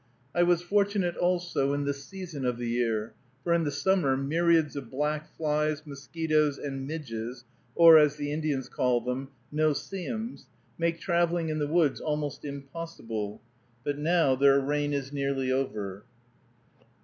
I was fortunate also in the season of the year, for in the summer myriads of black flies, mosquitoes, and midges, or, as the Indians call them, "no see ems," make traveling in the woods almost impossible; but now their reign was nearly over.